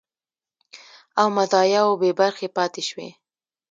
او مزایاوو بې برخې پاتې شوي